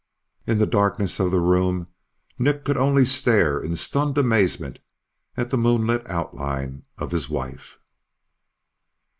In the darkness of the room, Nick could only stare in stunned amazement at the moonlit outline of his wife.